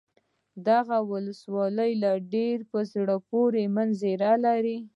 دغه ولسوالي ډېرې په زړه پورې منظرې لري.